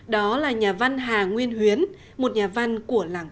đó là nhà văn hà nguyên một nhà văn của làng